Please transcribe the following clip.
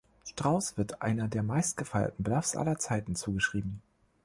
Straus wird einer der meistgefeierten Bluffs aller Zeiten zugeschrieben.